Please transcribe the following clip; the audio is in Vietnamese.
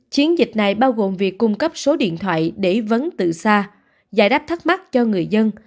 chiến dịch này bao gồm việc cung cấp số điện thoại để vấn từ xa giải đáp thắc mắc cho người dân